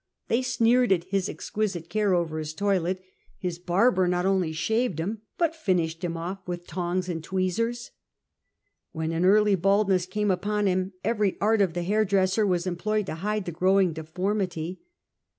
They sneered at his exquisite care over Ins toilet ; his barber not only shaved him, but finished him off with tongs and tweezers. When an early baldness came upon him, every art of the hairdresser was employed to hide the growing deformity.